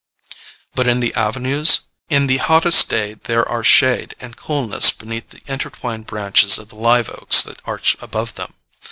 But the avenues? In the hottest day there are shade and coolness beneath the intertwined branches of the live oaks that arch above them.